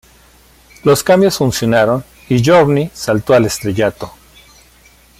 Los cambios funcionaron, y Journey saltó al estrellato.